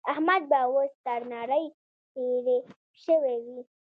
احمد به اوس تر نړۍ تېری شوی وي.